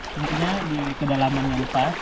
tentunya di kedalaman yang lupa